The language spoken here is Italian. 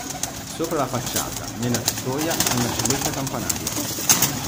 Sopra la facciata, nella tettoia, è una celletta campanaria.